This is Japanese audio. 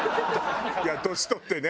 いや年取ってね